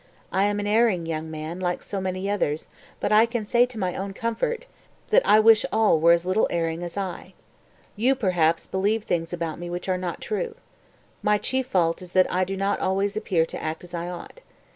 I am an erring young man, like so many others, but I can say to my own comfort, that I wish all were as little erring as I. You, perhaps, believe things about me which are not true. My chief fault is that I do not always appear to act as I ought.